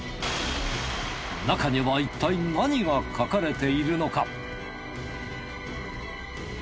中にはいったい何が書かれているのか？